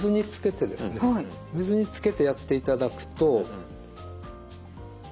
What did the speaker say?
水につけてやっていただくと。